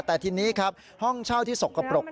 แต่ทีนี้ครับห้องเช่าที่สกปรก